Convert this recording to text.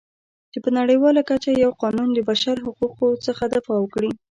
چې په نړیواله کچه یو قانون د بشرحقوقو څخه دفاع وکړي.